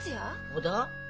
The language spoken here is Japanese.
ほだ。